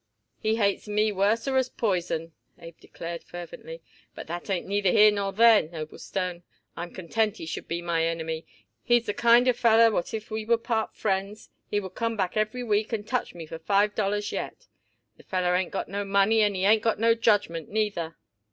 "He hates me worser as poison," Abe declared fervently, "but that ain't neither here nor there, Noblestone. I'm content he should be my enemy. He's the kind of feller what if we would part friends, he would come back every week and touch me for five dollars yet. The feller ain't got no money and he ain't got no judgment neither."